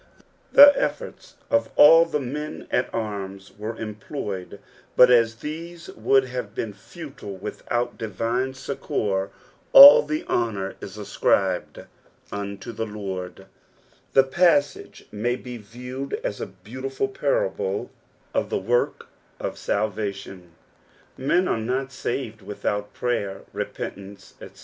Tbe efforts of all the men at arms were employed, but as these wonld have been futile without divine succour, all the honour is escribed unto the Lord. The pasngt PSALM THE POBTY FOUETH. 335 mi? be Tiewed as & beautiful panble of the work of Balvatlon ; men are not ■aved without prajer, repentance, etc.